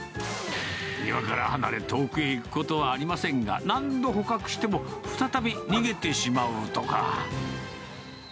庭から離れ、遠くに行くことはありませんが、何度捕獲しても、再び逃げてしまうとか。